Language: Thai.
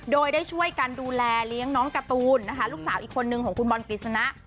โดยได้ช่วยกันดูแลเลี้ยงน้องการ์ตูนนะคะลูกสาวอีกคนนึงของคุณบอลกฤษณะ